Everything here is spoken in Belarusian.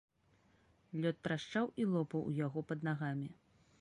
Лёд трашчаў і лопаў у яго пад нагамі.